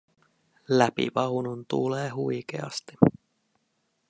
Läpi vaunun tuulee huikeasti.